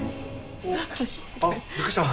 おっあっびっくりした。